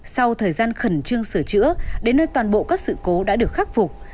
sau thời gian khẩn trương sửa chữa đến nơi toàn bộ các sự cố đã được khắc phục